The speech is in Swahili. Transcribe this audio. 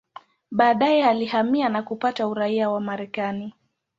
Baadaye alihamia na kupata uraia wa Marekani.